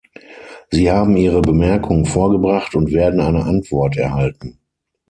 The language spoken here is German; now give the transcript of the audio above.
Sie haben Ihre Bemerkung vorgebracht und werden eine Antwort erhalten.